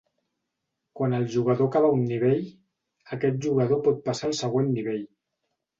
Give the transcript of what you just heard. Quan el jugador acaba un nivell, aquest jugador pot passar al següent nivell.